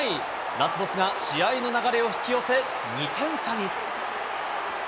ラスボスが試合の流れを引き寄せ、２点差に。